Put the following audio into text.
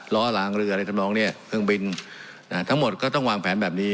ล้อหลังเรืออะไรทำนองเนี่ยเครื่องบินทั้งหมดก็ต้องวางแผนแบบนี้